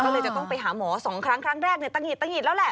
ก็เลยจะต้องไปหาหมอสองครั้งครั้งแรกตะหิดตะหิดแล้วแหละ